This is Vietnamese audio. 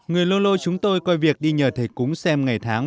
người lô lô chúng tôi coi việc đi nhờ thầy cúng xem ngày tháng